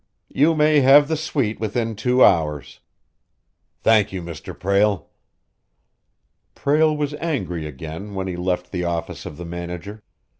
You may have the suite within two hours." "Thank you, Mr. Prale." Prale was angry again when he left the office of the manager.